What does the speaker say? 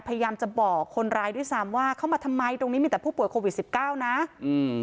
พยายามจะบอกคนร้ายด้วยซ้ำว่าเข้ามาทำไมตรงนี้มีแต่ผู้ป่วยโควิดสิบเก้านะอืม